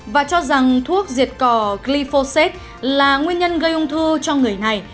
và cho rằng thuốc diệt cỏ glyphosate là nguyên nhân gây ung thư cho người này